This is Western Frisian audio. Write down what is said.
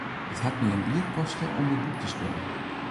It hat my in jier koste om dit boek te skriuwen.